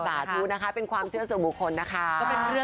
ธุนะคะเป็นความเชื่อส่วนบุคคลนะคะ